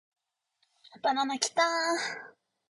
バナナキターーーーーー